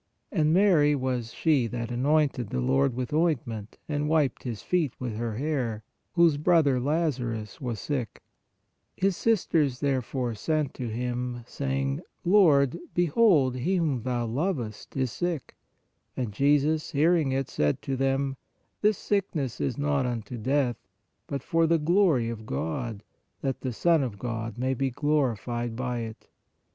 (And Mary was she that anointed the Lord with ointment, and wiped His feet with her hair, whose brother Lazarus was sick.) His sisters 104 PRAYER therefore sent to Him, saying: Lord, behold, he whom thou lovest is sick. And Jesus, hearing it, said to them: This sickness is not unto death, but for the glory of God, that the Son of God may be glorified by it.